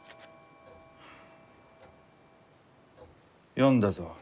読んだぞ。